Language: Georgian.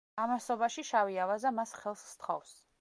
ამასობაში, შავი ავაზა მას ხელს სთხოვს.